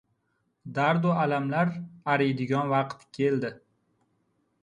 Dardu alamlar ariydigan vaqt keldi.